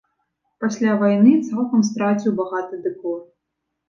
Пасля вайны цалкам страціў багаты дэкор.